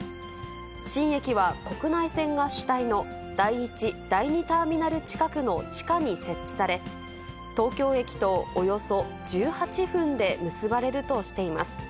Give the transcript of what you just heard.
新駅は、国内線が主体の第１、第２ターミナル近くの地下に設置され、東京駅とおよそ１８分で結ばれるとしています。